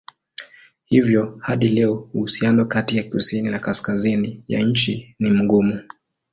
Hivyo hadi leo uhusiano kati ya kusini na kaskazini ya nchi ni mgumu.